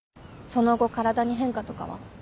その後体に変化とかは？